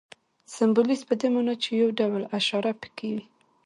سمبولیزم په دې ماناچي یو ډول اشاره پکښې وي.